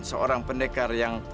seorang pendekar yang